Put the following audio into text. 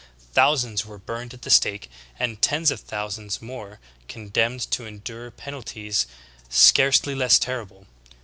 Thousands were burned at the stake, and tens of thousands more condemned to endure penalties scarcely less THE INQUISITION. 155 terrible.